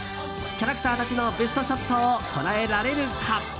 キャラクターたちのベストショットを捉えられるか？